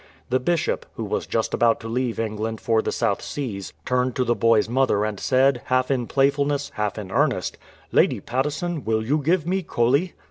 The Bishop, who was just about to leave England for the South Seas, turned to the boy's mother and said, half in playfulness, half in earnest, "Lady Patteson, will you give me Coley?"